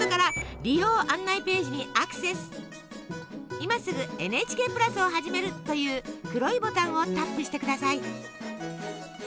「今すぐＮＨＫプラスをはじめる」という黒いボタンをタップしてください。